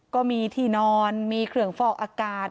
ก็มีที่นอนมีเครื่องฟอกอากาศ